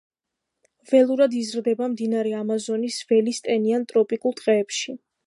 ველურად იზრდება მდინარე ამაზონის ველის ტენიან ტროპიკულ ტყეებში.